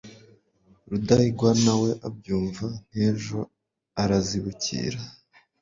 rudahigwa nawe abyumva nk'ejo, arabizibukira